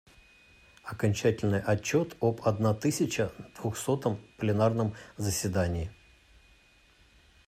Окончательный отчет об одна тысяча двухсотом пленарном заседании,.